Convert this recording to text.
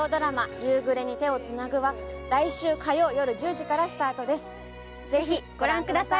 「夕暮れに、手をつなぐ」は来週火曜夜１０時からスタートですぜひご覧ください